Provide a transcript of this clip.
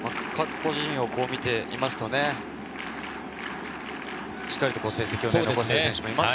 個人を見ているとしっかり成績を残している選手もいます。